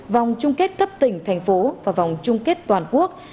vòng chung kết cấp tỉnh thành phố và vòng chung kết toàn quốc